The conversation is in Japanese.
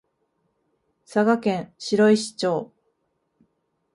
佐賀県白石町